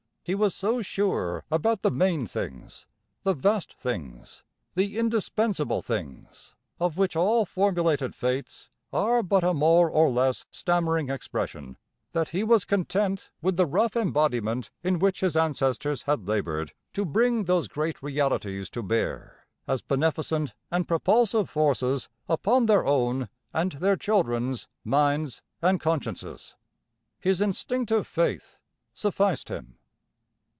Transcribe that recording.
He was so sure about the main things, the vast things, the indispensable things, of which all formulated faiths are but a more or less stammering expression, that he was content with the rough embodiment in which his ancestors had laboured to bring those great realities to bear as beneficent and propulsive forces upon their own and their children's minds and consciences. His instinctive faith sufficed him."